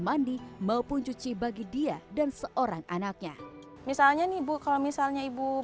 masak buat nasi air galon